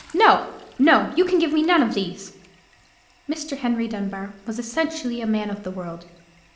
No, no; you can give me none of these." Mr. Henry Dunbar was essentially a man of the world.